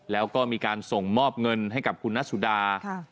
แล้วก็มีการส่งมอบเงินให้กับคุณนัสสุดา